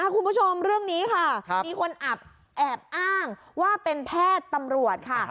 คุณผู้ชมเรื่องนี้ค่ะมีคนแอบอ้างว่าเป็นแพทย์ตำรวจค่ะ